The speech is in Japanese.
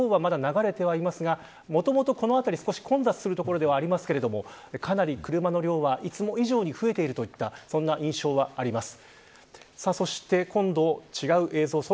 右側、高速道路に乗る方はまだ流れてはいますがもともとこの辺り、少し混雑する所ではありますがかなり車の量は、いつも以上に増えているといった印象があります。